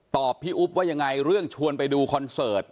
พี่อุ๊บว่ายังไงเรื่องชวนไปดูคอนเสิร์ต